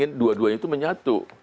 dia ingin dua duanya itu menyatu